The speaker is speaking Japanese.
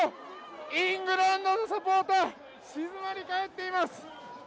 イングランドのサポーター静まり返っています！